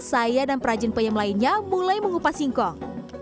saya dan perajin peyem lainnya mulai mengupas singkong